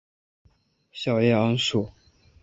小叶榉树